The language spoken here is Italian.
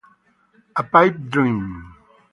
A Pipe Dream